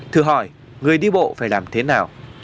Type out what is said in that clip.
thử hỏi người đi bộ phải làm thế nào